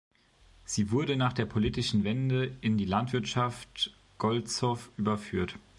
Sie wurde nach der politischen Wende in die Landwirtschaft Golzow überführt.